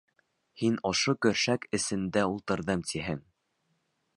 — Һин ошо көршәк эсендә ултырҙым, тиһең.